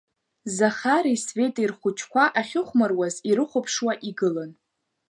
Захари Светеи рхәыҷқәа ахьыхәмаруаз ирыхәаԥшуа игылан.